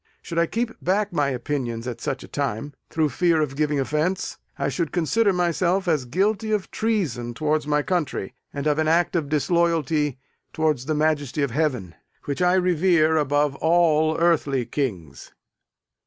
Should I keep back my opinions at such a time, through fear of giving offence, I should consider myself as guilty of treason towards my country, and of an act of disloyalty towards the Majesty of Heaven, which I revere above all earthly kings.